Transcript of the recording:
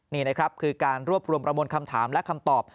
นี่นะครับคือการรวบรวมประมวลคำถามและคำตอบ